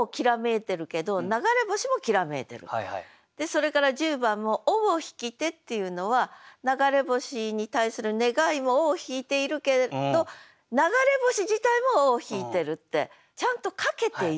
それから１０番も「尾を引きて」っていうのは流れ星に対する願いも尾を引いているけれどってちゃんとかけている。